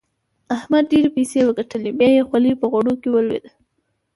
احمد ډېرې پيسې وګټلې؛ بيا يې خولۍ په غوړو کې ولوېده.